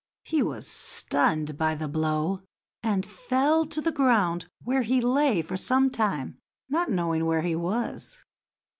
He was stunned by the blow, and fell to the ground, where he lay for some time, not knowing where he was.